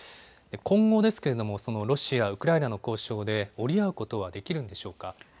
今後ですけれどもロシア、ウクライナの交渉で折り合うことはできるんでしょうか。